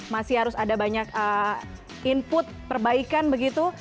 masih harus ada banyak input perbaikan begitu